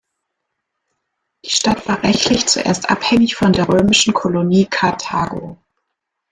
Die Stadt war rechtlich zuerst abhängig von der römischen Kolonie Karthago.